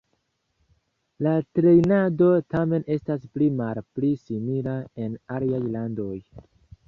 La trejnado tamen estas pli malpli simila en aliaj landoj.